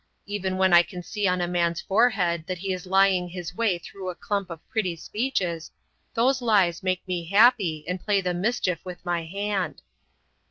Even when I can see on a man's forehead that he is lying his way through a clump of pretty speeches, those lies make me happy and play the mischief with my hand."